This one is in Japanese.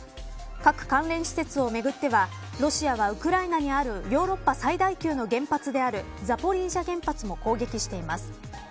核関連施設をめぐってはロシアはウクライナにあるヨーロッパ最大級の原発であるザポリージャ原発も攻撃しています。